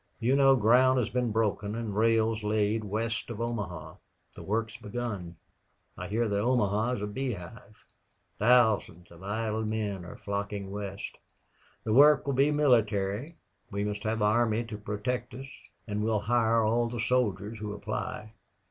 You know ground has been broken and rails laid west of Omaha. The work's begun. I hear that Omaha is a beehive. Thousands of idle men are flocking West. The work will be military. We must have the army to protect us, and we will hire all the soldiers who apply.